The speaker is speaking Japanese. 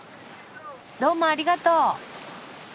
どうもありがとう。